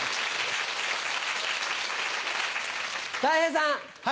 たい平さん。